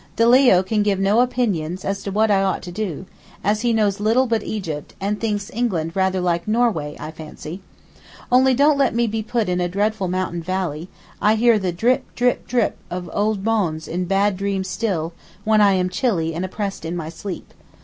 De Leo can give no opinion as to what I ought to do, as he knows little but Egypt, and thinks England rather like Norway, I fancy. Only don't let me be put in a dreadful mountain valley; I hear the drip, drip, drip of Eaux Bonnes in bad dreams still, when I am chilly and oppressed in my sleep.